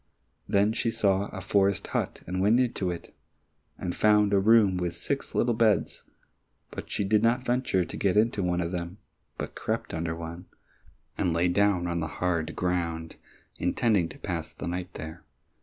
Then she saw a forest hut, and went into it, and found a room with six little beds, but she did not venture to get into one of them, but crept under one, and lay down on the hard ground, intending to pass the night there.